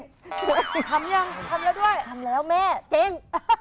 ทำแล้วด้วยทำแล้วแม่เจ๊ง